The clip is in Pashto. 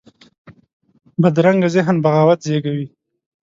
بدرنګه ذهن بغاوت زېږوي